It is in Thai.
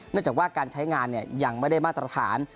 เนื่องจากว่าการใช้งานเนี่ยยังไม่ได้มาตรฐาน